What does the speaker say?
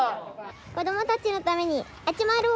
子どもたちのために集まろう！